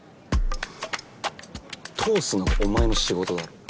通すのがお前の仕事だろ。